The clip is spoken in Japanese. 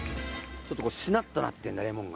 ちょっとしなっとなってるんだレモンが。